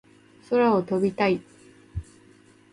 空を飛びたい